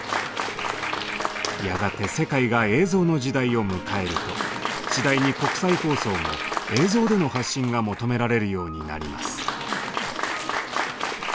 やがて世界が映像の時代を迎えると次第に国際放送も映像での発信が求められるようになります。